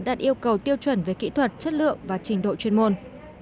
đạt yêu cầu tiêu chuẩn về kỹ thuật chất lượng và trình độ chuyên môn